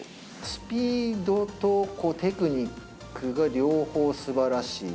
スピードとテクニックが両方すばらしい。